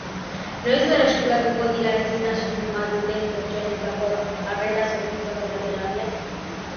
Noiz berreskuratuko dira ezintasunen bat duten pertsonentzako arreta zerbitzuak eta terapiak?